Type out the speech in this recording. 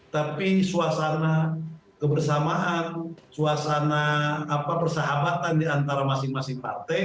tapi suasana kebersamaan suasana persahabatan di antara masing masing partai itu penting